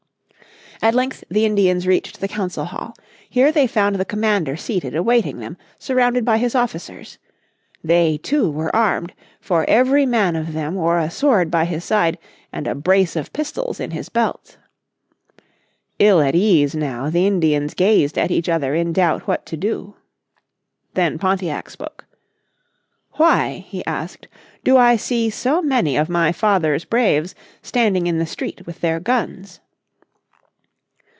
At length the Indians reached the Council Hall. Here they found the commander seated awaiting them, surrounded by his officers. They, too, were armed, for every man of them wore a sword by his side and a brace of pistols in his belt. Ill at ease now, the Indians gazed at each other in doubt what to do. Then Pontiac spoke, "why," he asked, "do I see so many of my father's braves standing in the street with their guns?"